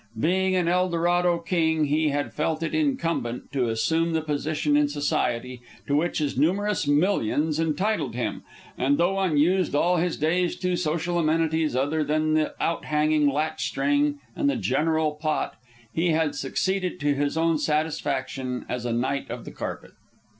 Being an Eldorado king, he had felt it incumbent to assume the position in society to which his numerous millions entitled him; and though unused all his days to social amenities other than the out hanging latch string and the general pot, he had succeeded to his own satisfaction as a knight of the carpet.